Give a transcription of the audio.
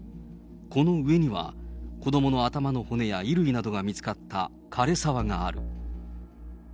この上には、子どもの頭の骨や衣類などが見つかった枯れ沢がある。